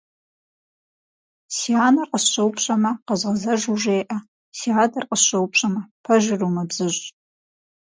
Си анэр къысщӏэупщӏэмэ, къэзгъэзэжу жеӏэ, си адэр къысщӏэупщӏэмэ, пэжыр умыбзыщӏ.